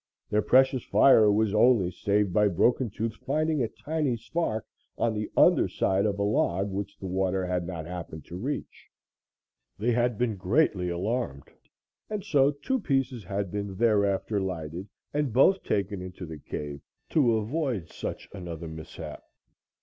Their precious fire was only saved by Broken Tooth finding a tiny spark on the under side of a log which the water had not happened to reach. They had been greatly alarmed, and so two pieces had been thereafter lighted and both taken into the cave to avoid such another mishap.